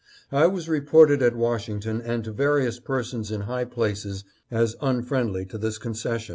I was reported at Washington and to various persons in high places as unfriendly to this concession.